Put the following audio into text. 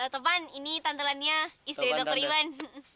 topan ini tante lania istri dokter iwan